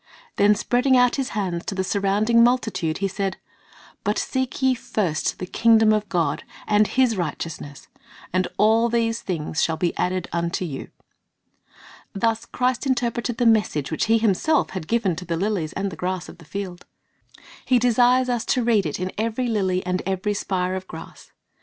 Then spreading out His hands to the surrounding multitude, He said, "But seek ye first the kingdom of God, and His righteousness; and all these things shall be added unto you." ^ Thus Christ interpreted the message which He Himself had given to the lilies and the grass of the field. He desires us to read it in every lily and every spire of grass.